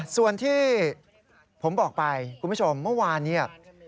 ส่วนที่ผมบอกไปคุณผู้ชมเมื่อวานเนี่ย